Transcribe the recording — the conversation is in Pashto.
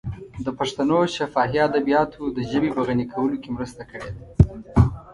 د پښتنو شفاهي ادبیاتو د ژبې په غني کولو کې مرسته کړې ده.